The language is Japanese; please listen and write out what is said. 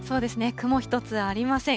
雲一つありません。